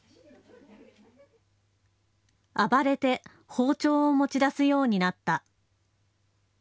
暴れて包丁を持ち出すようになった。